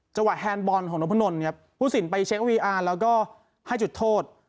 แฮนดบอลของนพนลครับผู้สินไปเช็ควีอาร์แล้วก็ให้จุดโทษ